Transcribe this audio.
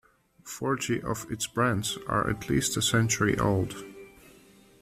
Forty of its brands are at least a century old.